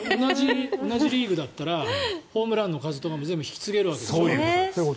同じリーグだったらホームランの数とかも全部引き継げるわけですよね。